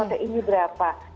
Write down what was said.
kalau ini berapa